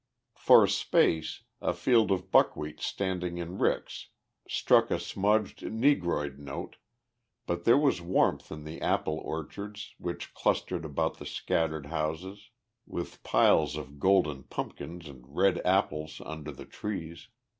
For a space, a field of buckwheat standing in ricks struck a smudged negroid note, but there was warmth in the apple orchards which clustered about the scattered houses, with piles of golden pumpkins and red apples under the trees.